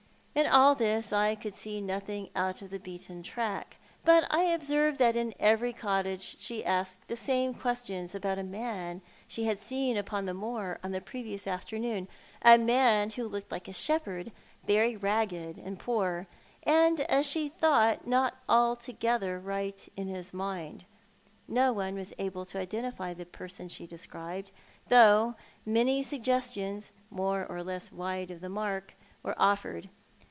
In all this I could see nothing out of the beaten track ; but I observed that in every cottage she asked the same qtaestions about a man she had seen upon the moor on the previous afternoon, a man who looked like a shepherd, very ragged and poor, and, as she thought, not alto gether right in his mind. No one was able to identify the person she described, though many suggestions, more or less wide of the mark, were offered.